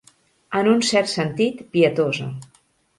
En un cert sentit, pietosa.